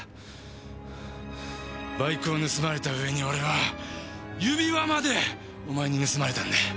バイクを盗まれた上に俺は指輪までお前に盗まれたんだ。